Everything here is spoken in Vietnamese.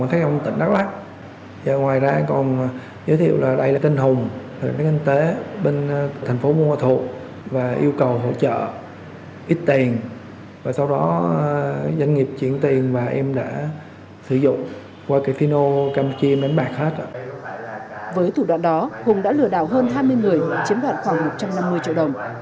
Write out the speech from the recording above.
hùng đã lừa đảo hơn hai mươi người chiến đoạn khoảng một trăm năm mươi triệu đồng